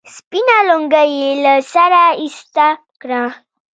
سپينه لونگۍ يې له سره ايسته کړه.